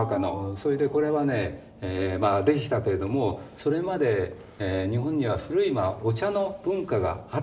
それでこれはねまあ出てきたけれどもそれまで日本には古いお茶の文化があったわけですよね。